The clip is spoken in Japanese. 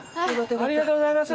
ありがとうございます。